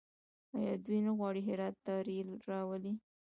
آیا دوی نه غواړي هرات ته ریل راولي؟